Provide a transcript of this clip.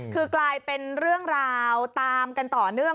คือกลายเป็นเรื่องราวตามกันต่อเนื่อง